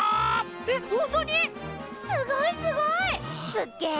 すっげえ！